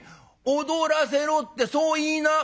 『踊らせろ』ってそう言いな！」。